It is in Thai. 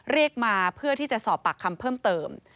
เรียกมาเพื่อที่จะสอบปากคำเพิ่มเติม